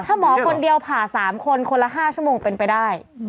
ถ้าหมอคนเดียวผ่า๓คนคนละ๕ชั่วโมงเป็นไปได้